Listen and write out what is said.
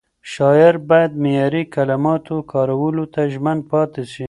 شاعر باید معیاري کلماتو کارولو ته ژمن پاتې شي.